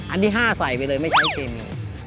อันที่๕ใส่ไปเลยไม่ใช้กินเลย